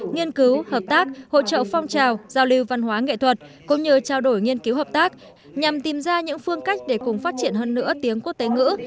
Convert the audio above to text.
nghiên cứu hợp tác hỗ trợ phong trào giao lưu văn hóa nghệ thuật cũng như trao đổi nghiên cứu hợp tác nhằm tìm ra những phương cách để cùng phát triển hơn nữa tiếng quốc tế ngữ